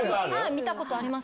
見たことあります。